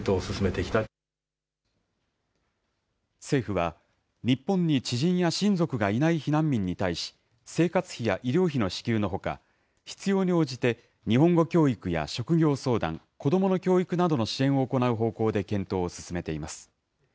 政府は、日本に知人や親族がいない避難民に対し、生活費や医療費の支給のほか、必要に応じて日本語教育や職業相談、子どもの教育などの支援を行う方向で検討を進めています。